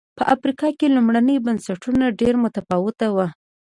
په افریقا کې لومړني بنسټونه ډېر متفاوت و.